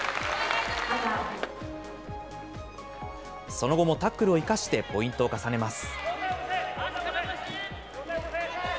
その後もタックルを生かしてポイントを重ねます。